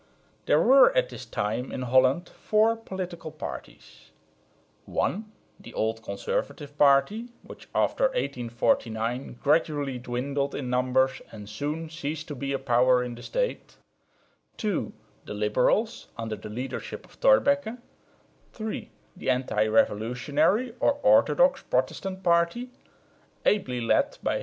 There were at this time in Holland four political parties: (1) the old conservative party, which after 1849 gradually dwindled in numbers and soon ceased to be a power in the State; (2) the liberals, under the leadership of Thorbecke; (3) the anti revolutionary or orthodox Protestant party, ably led by G.